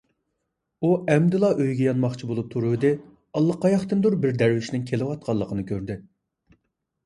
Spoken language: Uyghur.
ئۇ ئەمدىلا ئۆيىگە يانماقچى بولۇپ تۇرۇۋىدى، ئاللىقاياقتىندۇر بىر دەرۋىشنىڭ كېلىۋاتقانلىقىنى كۆردى.